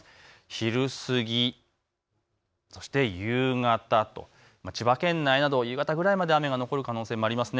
昼過ぎ、そして夕方、千葉県内など夕方くらいまで雨が残る可能性があります。